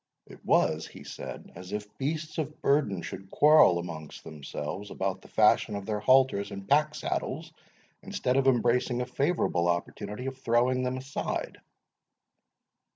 "It was," he said, "as if beasts of burden should quarrel amongst themselves about the fashion of their halters and pack saddles, instead of embracing a favourable opportunity of throwing them aside."